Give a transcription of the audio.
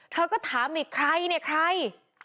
เธอก็ถามอีกใครเนี่ยใคร